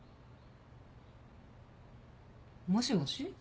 もしもし？